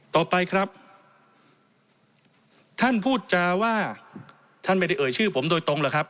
ต่อไปครับท่านพูดจาว่าท่านไม่ได้เอ่ยชื่อผมโดยตรงหรอกครับ